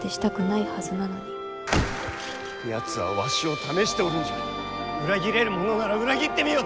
やつはわしを試しておるんじゃ裏切れるものなら裏切ってみよと！